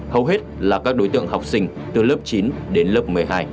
hầu hết là các đối tượng học sinh từ lớp chín đến lớp một mươi hai